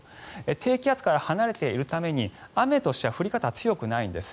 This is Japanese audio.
低気圧から離れているために雨としては降り方は強くないんです。